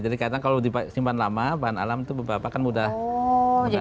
jadi kadang kalau disimpan lama bahan alam itu berapa kan mudah rusak